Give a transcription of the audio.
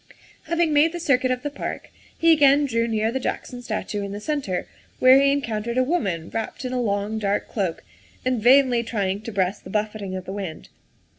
Having made the circuit of the park, he again drew near the Jackson statue in the centre, where he encoun tered a woman wrapped in a long, dark cloak and vainly trying to breast the buffeting of the wind.